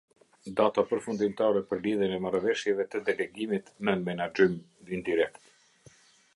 Data përfundimtare për lidhjen e Marrëveshjeve të Delegimit nën menaxhim indirekt.